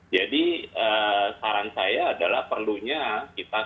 jadi saran saya adalah perlunya